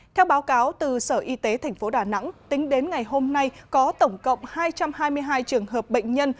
theo báo cáo từ sở y tế tp đà nẵng tính đến ngày hôm nay có tổng cộng hai trăm hai mươi hai trường hợp bệnh nhân